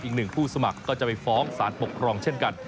อีกหนึ่งผู้สมัครก็จะไปฟ้องสารปกครองเช่นกัน